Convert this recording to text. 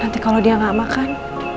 nanti kalau dia nggak makan